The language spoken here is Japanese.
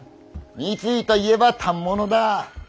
三井といえば反物だ。